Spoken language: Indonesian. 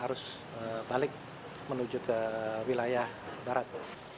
arus balik menuju ke wilayah barat